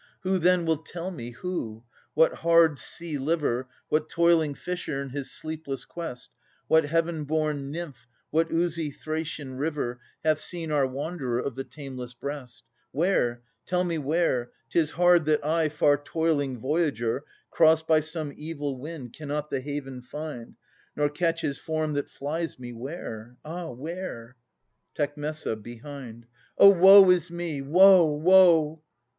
Who then will tell me, who ? What hard sea liver. What toiling fisher in his sleepless quest, What heaven born nymph, what oozy Thracian river, Hath seen our wanderer of the tameless breast ? Where? tell me where! 'Tis hard that I, far toiling voyager, Crossed by some evil wind, Cannot the haven find. Nor catch his form that flies me, where ? ah ! where ? Tec. {behind). Oh, woe is me! woe, woe! Ch.